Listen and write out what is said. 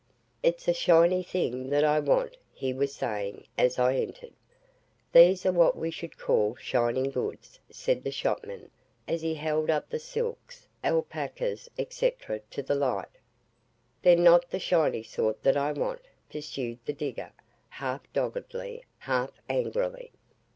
"It's a SHINY thing that I want," he was saying as I entered. "These are what we should call shining goods," said the shopman, as he held up the silks, alpacas, &c., to the light. "They're not the SHINY sort that I want," pursued the digger, half doggedly, half angrily.